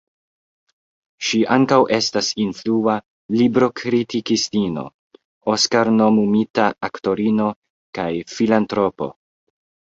Ŝi ankaŭ estas influa libro-kritikistino, Oskar-nomumita aktorino, kaj filantropo.